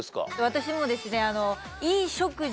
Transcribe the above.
私もですね。